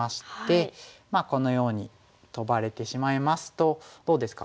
このようにトバれてしまいますとどうですか？